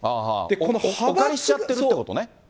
お借りしちゃってるってことね。